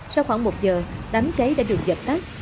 sau khoảng một giờ đám cháy đã được dập tắt